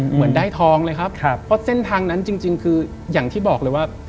เหมือนได้ทองเลยครับเพราะเส้นทางนั้นจริงคืออย่างที่บอกเลยว่า